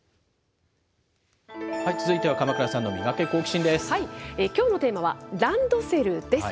続いては鎌倉さんのミガケ、きょうのテーマはランドセルです。